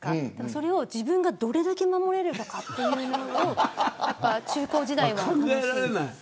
それを自分がどれだけ守れるのかというのを、中高時代は。